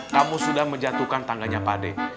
kamu sudah menjatuhkan tangganya pak ade